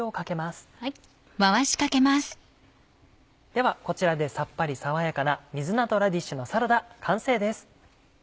ではこちらでさっぱり爽やかな「水菜とラディッシュのサラダ」完成です。